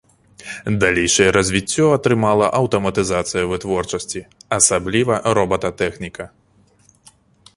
Далейшае развіццё атрымала аўтаматызацыя вытворчасці, асабліва робататэхніка.